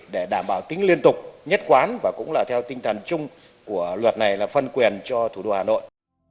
để đảm bảo tính liên tục nhất quán và cũng là theo tinh thần chung của luật này là phân quyền cho thủ đô hà nội